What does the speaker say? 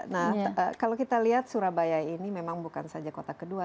nah kalau kita lihat surabaya ini memang bukan saja kota kedua